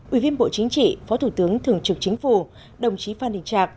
ủy viên bộ chính trị phó thủ tướng thường trực chính phủ đồng chí phan đình trạc